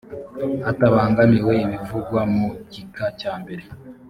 hatabangamiwe ibivugwa mu gika cya mbere